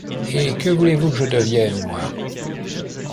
Et que voulez-vous que je devienne, moi ?